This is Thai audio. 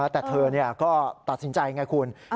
แต่เธอก็ตัดสินใจไงคุณ